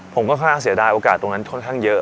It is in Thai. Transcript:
ผมค่อนข้างเสียดายโอกาสตรงนั้นค่อนข้างเยอะ